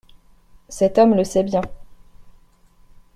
Cet homme le sait bien.